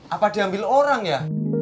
apa diambil orang ya